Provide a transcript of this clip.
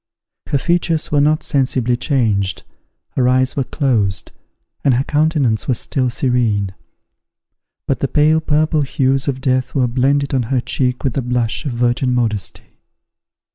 Her features were not sensibly changed, her eyes were closed, and her countenance was still serene; but the pale purple hues of death were blended on her cheek with the blush of virgin modesty.